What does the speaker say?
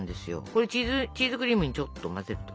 これチーズクリームにちょっと混ぜると。